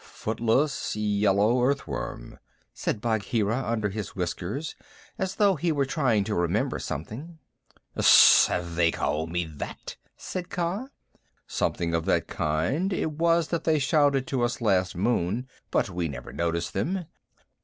"Footless, yellow earth worm," said Bagheera under his whiskers, as though he were trying to remember something. "Sssss! Have they ever called me that?" said Kaa. "Something of that kind it was that they shouted to us last moon, but we never noticed them.